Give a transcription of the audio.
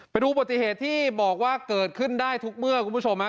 อุบัติเหตุที่บอกว่าเกิดขึ้นได้ทุกเมื่อคุณผู้ชมฮะ